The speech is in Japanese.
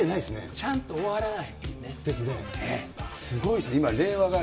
ちゃんと終わらない。